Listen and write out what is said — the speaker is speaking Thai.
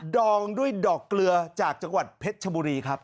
องด้วยดอกเกลือจากจังหวัดเพชรชบุรีครับ